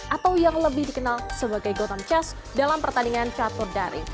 atau yang lebih dikenal sebagai gotam chess dalam pertandingan catur daring